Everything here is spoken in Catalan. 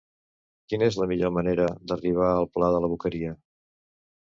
Quina és la millor manera d'arribar al pla de la Boqueria?